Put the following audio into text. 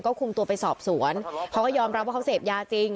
คุมตัวไปสอบสวนเขาก็ยอมรับว่าเขาเสพยาจริง